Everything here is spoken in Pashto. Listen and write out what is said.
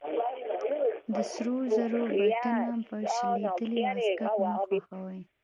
د سرو زرو بټنه په شلېدلې واسکټ مه خښوئ.